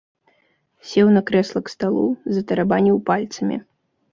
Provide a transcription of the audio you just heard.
Сеў на крэсла к сталу, затарабаніў пальцамі.